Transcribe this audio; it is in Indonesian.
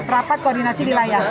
rapat koordinasi wilayah